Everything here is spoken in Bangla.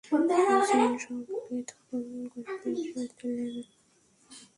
একজন সাহাবীকে দাফন করতে এসেছিলেন।